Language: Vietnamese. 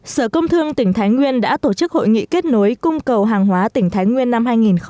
sở công thương tỉnh thái nguyên đã tổ chức hội nghị kết nối cung cầu hàng hóa tỉnh thái nguyên năm hai nghìn hai mươi